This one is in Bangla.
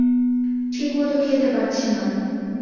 ঠিকমত খেতে পারছে না।